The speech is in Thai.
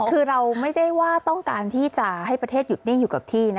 คือเราไม่ได้ว่าต้องการที่จะให้ประเทศหยุดนิ่งอยู่กับที่นะ